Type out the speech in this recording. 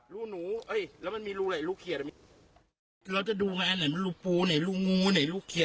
ลูกปูจะเท่านี้นะครับอ่าชุดทันเท่านี้ลูกปูจะเท่านี้